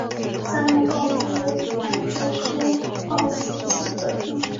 三门豹蛛为狼蛛科豹蛛属的动物。